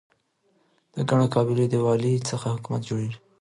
د ګڼو قبایلو د یووالي څخه حکومت جوړيږي.